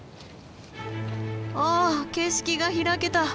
お景色が開けた！